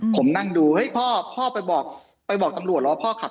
ผมนั่งดูพ่อไปบอกตำรวจแล้วว่าพ่อขับ๘๐